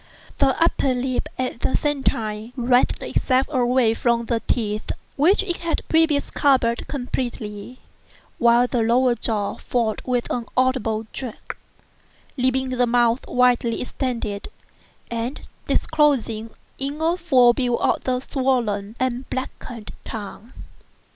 The upper lip, at the same time, writhed itself away from the teeth, which it had previously covered completely; while the lower jaw fell with an audible jerk, leaving the mouth widely extended, and disclosing in full view the swollen and blackened tongue.